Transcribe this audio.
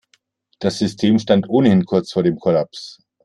Das System stand ohnehin kurz vor dem Kollaps.